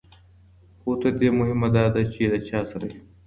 خو تر دې مهمه دا ده چې له چا سره یو.